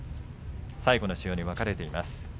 最後の塩に分かれています。